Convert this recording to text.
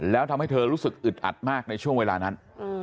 แล้วทำให้เธอรู้สึกอึดอัดมากในช่วงเวลานั้น